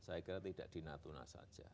saya kira tidak di natuna saja